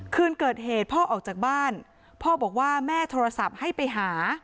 คืนเกิดเหตุพ่อออกจากบ้านพ่อบอกว่าแม่โทรศัพท์ให้ไปหา